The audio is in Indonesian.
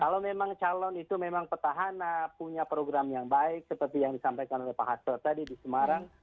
kalau memang calon itu memang petahana punya program yang baik seperti yang disampaikan oleh pak hasto tadi di semarang